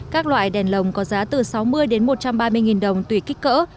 các loại đèn lồng có giá từ sáu mươi đến một trăm ba mươi đồng tùy kích cỡ